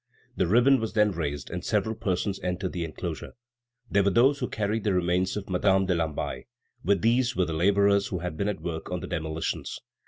The ribbon was then raised and several persons entered the enclosure. They were those who carried the remains of Madame de Lamballe. With these were the laborers who had been at work on the demolitions.